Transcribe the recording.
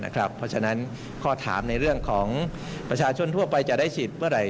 เพราะฉะนั้นข้อถามในเรื่องของประชาชนทั่วไปจะได้สิทธิ์เมื่อไหร